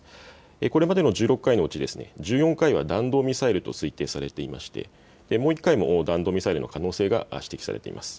これまでの１６回のうち１４回は弾道ミサイルと推定されていましてもう１回も弾道ミサイルの可能性が指摘されています。